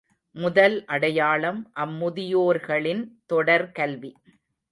முதல் அடையாளம் அம்முதியோர்களின் தொடர் கல்வி.